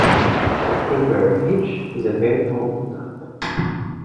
The timber hitch is a very old knot.